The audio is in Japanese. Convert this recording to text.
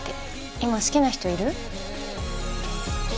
今好きな人いる？